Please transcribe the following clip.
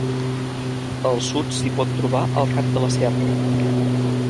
Al sud s'hi pot trobar el Cap de la Serra.